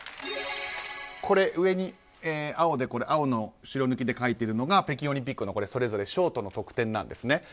上に青の白抜きで書いてあるのが北京オリンピックのそれぞれショートの得点です。